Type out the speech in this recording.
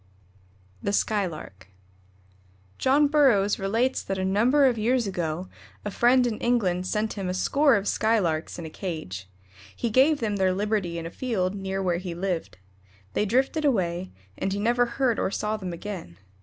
THE SKYLARK. John Burroughs relates that a number of years ago a friend in England sent him a score of Skylarks in a cage. He gave them their liberty in a field near where he lived. They drifted away, and he never heard or saw them again.